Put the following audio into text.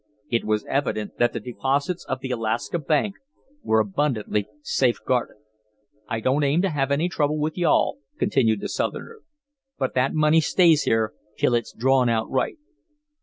It was evident that the deposits of the Alaska Bank were abundantly safeguarded. "I don't aim to have any trouble with you all," continued the Southerner, "but that money stays here till it's drawn out right."